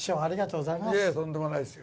いえ、とんでもないですよ。